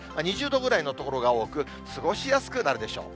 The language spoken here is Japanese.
２０度ぐらいの所が多く、過ごしやすくなるでしょう。